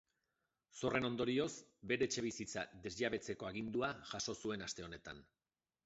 Zorren ondorioz, bere etxebizitza desjabetzeko agindua jaso zuen aste honetan.